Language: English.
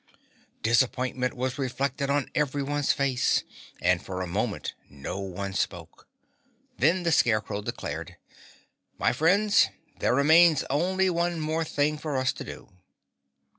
Disappointment was reflected on everyone's face, and for a moment no one spoke. Then the Scarecrow declared, "My friends, there remains only one more thing for us to do."